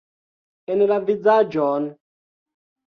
En la vizaĝon!